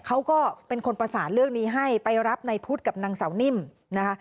เขาก็เป็นคนประสานเรื่องนี้ให้ไปรับในพุทธกับนางเสานิ่มนะคะ